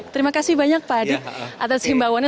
terima kasih banyak pak adib atas himbauannya